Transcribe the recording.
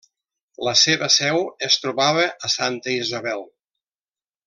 La seva seu es trobava a Santa Isabel.